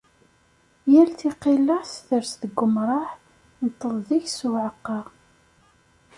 Yall tiqillaɛt ters deg umṛaḥ, inṭeḍ deg-s uɛeqqa.